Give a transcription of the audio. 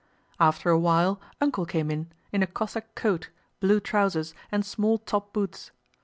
After a while "Uncle" came in, in a Cossack coat, blue trousers, and small top boots.